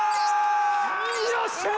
よっしゃあ！